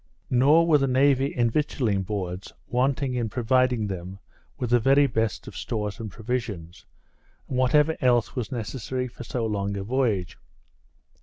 Nor were the Navy and Victualling Boards wanting in providing them with the very best of stores and provisions, and whatever else was necessary for so long a voyage.